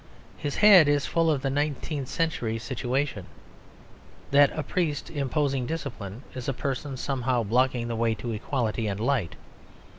His head is full of the nineteenth century situation; that a priest imposing discipline is a person somehow blocking the way to equality and light.